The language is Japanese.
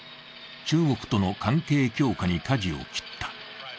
中国との関係強化に舵を切った。